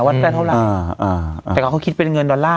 ได้เท่าไหร่แต่เขาคิดเป็นเงินดอลลาร์